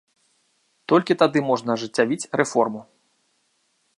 Толькі тады можна ажыццявіць рэформу.